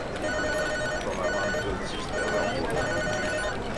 Tomēr mana dzirdes sistēma nav bojāta.